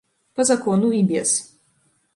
Па закону і без.